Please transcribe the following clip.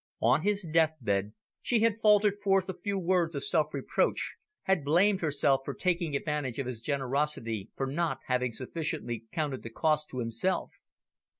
On his death bed, she had faltered forth a few words of self reproach, had blamed herself for taking advantage of his generosity, for not having sufficiently counted the cost to himself.